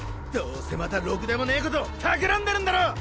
どうせまたロクでもねえこと企んでるんだろ！